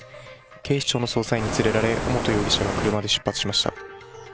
警視庁の捜査員に連れられ、尾本容疑者が車で出発しました。